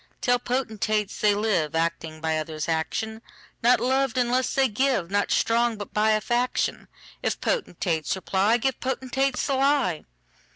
Tell potentates, they liveActing by others' action; Not loved unless they give, Not strong, but by a faction:If potentates reply, Give potentates the lie.